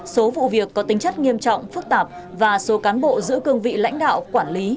số vụ việc có tính chất nghiêm trọng phức tạp và số cán bộ giữ cương vị lãnh đạo quản lý